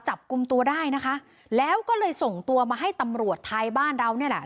จับกลุ่มตัวได้นะคะแล้วก็เลยส่งตัวมาให้ตำรวจไทยบ้านเรานี่แหละ